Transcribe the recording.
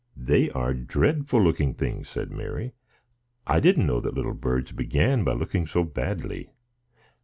"They are dreadful looking things," said Mary; "I didn't know that little birds began by looking so badly."